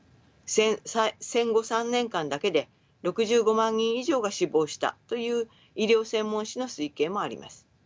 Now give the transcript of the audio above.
戦後３年間だけで６５万人以上が死亡したという医療専門誌の推計もあります。